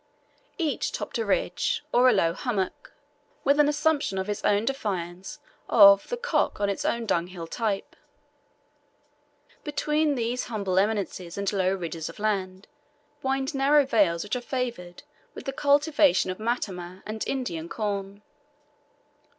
Each topped a ridge, or a low hummock, with an assumption of defiance of the cock on its own dunghill type. Between these humble eminences and low ridges of land wind narrow vales which are favored with the cultivation of matama and Indian corn.